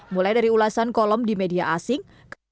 mulai dari ulasan kolom di media asing